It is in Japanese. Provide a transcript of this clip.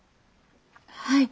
はい。